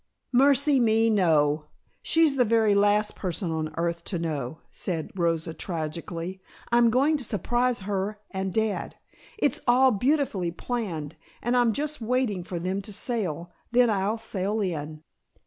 "Mercy me, no! She's the very last person on earth to know," said Rosa tragically. "I'm going to surprise her, and dad. It's all beautifully planned and I'm just waiting for them to sail, then I'll sail in."